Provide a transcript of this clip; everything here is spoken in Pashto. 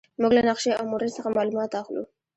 موږ له نقشې او موډل څخه معلومات اخلو.